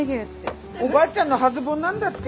おばあちゃんの初盆なんだって？